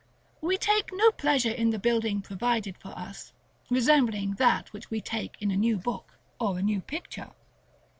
We take no pleasure in the building provided for us, resembling that which we take in a new book or a new picture.